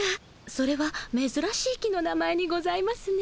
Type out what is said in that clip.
それはめずらしい木の名前にございますね。